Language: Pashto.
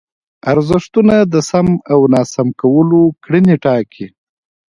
ارزښتونه د سم او ناسم کولو کړنې ټاکي.